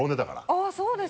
あっそうですか。